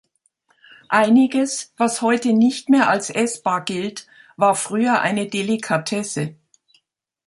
Einiges, was heute nicht mehr als essbar gilt, war früher eine Delikatesse.